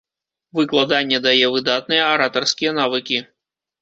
Выкладанне дае выдатныя аратарскія навыкі.